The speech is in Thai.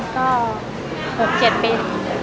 ก็๖๗ปี